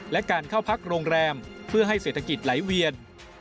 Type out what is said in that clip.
และการเข้าพักโรงแรมเพื่อให้เศรษฐกิจไหลเวียน